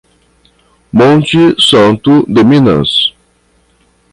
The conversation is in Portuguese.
Monte Santo de Minas